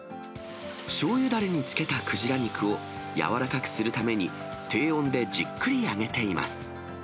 しょうゆだれに漬けたくじら肉を、柔らかくするために、低温でじっくり揚げています。